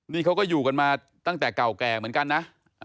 นี่เขาก็อยู่กันมาตั้งแต่เก่าแก่เหมือนกันนะ